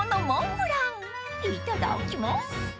［いただきます］